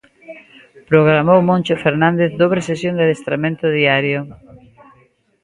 Programou Moncho Fernández dobre sesión de adestramento diario.